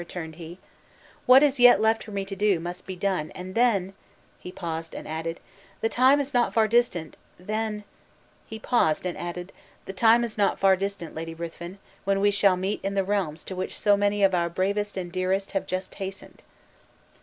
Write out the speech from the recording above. returned he, "What is yet left for me to do, must be done; and then " He paused, and added, "The time is not far distant, then " He paused, and added "The time is not far distant, Lady Ruthven, when we shall meet in the realms to which so many of our bravest and dearest have just hastened."